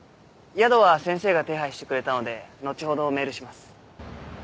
宿は先生が手配してくれたので後ほどメールします。